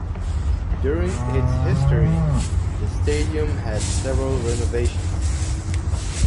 During its history, the stadium had several renovations.